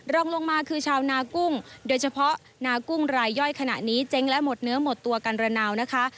รองลงมาคือชาวนากุ้งโดยเฉพาะนากุ้งรายย่อยขณะนี้เจ๊งและหมดเนื้อหมดตัวกันระนาวนะคะ